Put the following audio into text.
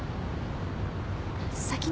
先に。